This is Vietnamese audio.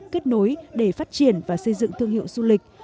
kết nối để phát triển và xây dựng thương hiệu du lịch